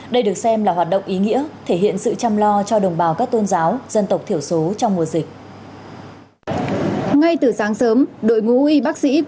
đây được xem là hoạt động ý nghĩa thể hiện sự chăm lo cho đồng bào các tôn giáo dân tộc thiểu số trong mùa dịch